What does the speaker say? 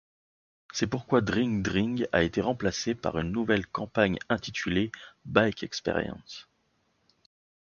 C'est pourquoi Dring Dring a été remplacé par une nouvelle campagne intitulé Bike Experience.